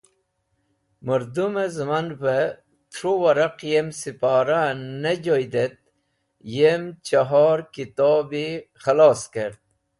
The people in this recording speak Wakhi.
Mũrdũm-e zẽmanev tru waraq yem Siporah en ne joyd et yem Chahor Kitobi Khalos kert.